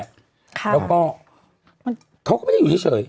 แล้วก็เขาก็ไม่ได้อยู่เฉย